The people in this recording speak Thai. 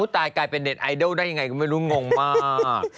ตายกลายเป็นเด็ดไอดอลได้ยังไงก็ไม่รู้งงมาก